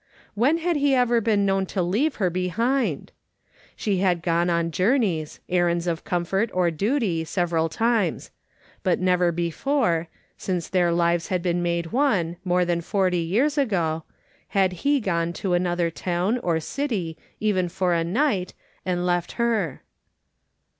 When had he ever been known to leave her behind ? She had gone on journeys, errands of comfort or duty, several times ; but never before, since their lives had been made one, more than forty years ago, had he gone to another town, or city, even for a night, and left her